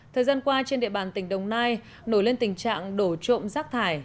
thời gian qua trên địa bàn tỉnh đồng nai nổi lên tình trạng đổ trộm rác thải